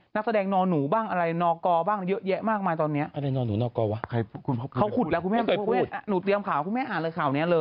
มากมากมากมากมาก